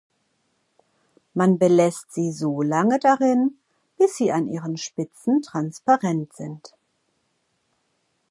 Man belässt sie solange darin, bis sie an ihren Spitzen transparent sind.